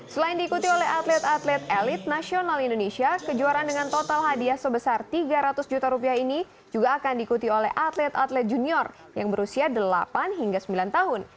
selain diikuti oleh atlet atlet elit nasional indonesia kejuaraan dengan total hadiah sebesar tiga ratus juta rupiah ini juga akan diikuti oleh atlet atlet junior yang berusia delapan hingga sembilan tahun